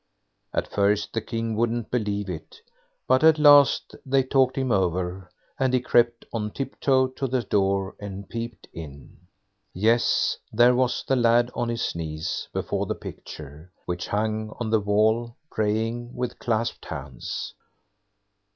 At first the King wouldn't believe it, but at last they talked him over, and he crept on tiptoe to the door and peeped in. Yes, there was the lad on his knees before the picture, which hung on the wall, praying with clasped hands.